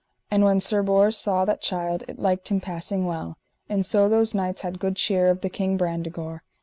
And when Sir Bors saw that child it liked him passing well. And so those knights had good cheer of the King Brandegore.